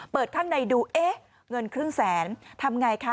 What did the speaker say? ข้างในดูเอ๊ะเงินครึ่งแสนทำไงคะ